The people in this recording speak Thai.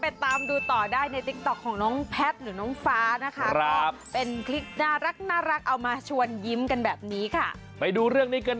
อนาคตมือปราบสัมภเวสี